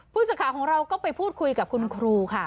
ผู้สื่อข่าวของเราก็ไปพูดคุยกับคุณครูค่ะ